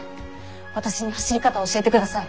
私に走り方を教えてください。